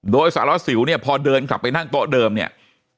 โดยสารวัสสิวเนี่ยพอเดินกลับไปนั่งโต๊ะเดิมเนี่ย